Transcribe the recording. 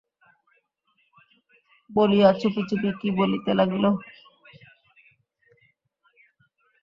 বলিয়া চুপি চুপি কী বলিতে লাগিল।